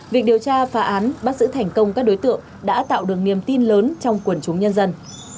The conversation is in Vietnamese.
việc điều tra phá án bắt giữ thành công các đối tượng đã tạo được niềm tin lớn trong quần chúng nhân dân